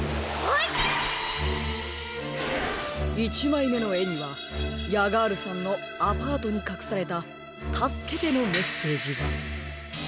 １まいめのえにはヤガールさんのアパートにかくされた「たすけて」のメッセージが。